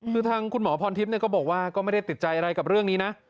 คือทางคุณหมอพรทิพย์ก็บอกว่าก็ไม่ได้ติดใจอะไรกับเรื่องนี้นะ